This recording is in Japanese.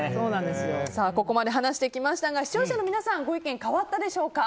ここまで話してきましたが視聴者の皆さんご意見変わったでしょうか。